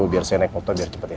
biar saya naik motor biar cepat ya